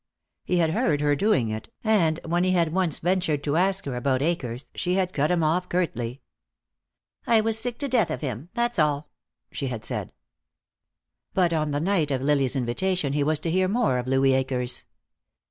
He had heard her doing it, and when he had once ventured to ask her about Akers she had cut him off curtly. "I was sick to death of him. That's all," she had said. But on the night of Lily's invitation he was to hear more of Louis Akers.